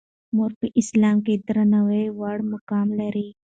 مور په اسلام کې د درناوي وړ مقام لري.